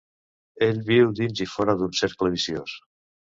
Ell viu dins i fora d'un cercle viciós.